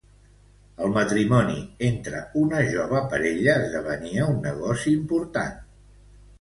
El matrimoni entre una jove parella esdevenia un negoci important.